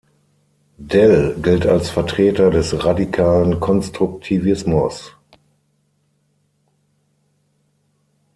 Dell gilt als Vertreter des Radikalen Konstruktivismus.